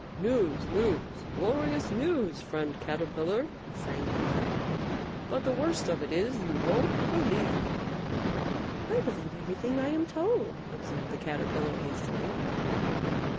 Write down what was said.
"News, news, glorious news, friend Caterpillar!" sang the Lark; "but the worst of it is, you won't believe me!" "I believe everything I am told," observed the Caterpillar, hastily.